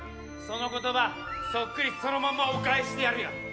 その言葉そっくりそのままお返ししてやるよ。